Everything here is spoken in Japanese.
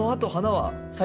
はい。